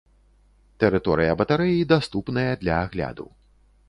Тэрыторыя батарэі даступная для агляду.